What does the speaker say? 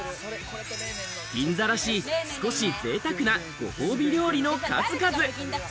銀座らしい、少しぜいたくなご褒美料理の数々。